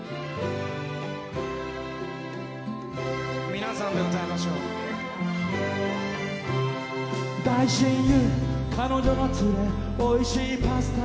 皆さんで歌いましょう。あっ、近い。